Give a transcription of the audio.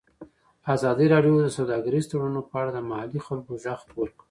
ازادي راډیو د سوداګریز تړونونه په اړه د محلي خلکو غږ خپور کړی.